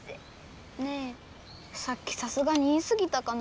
ねえさっきさすがに言いすぎたかな。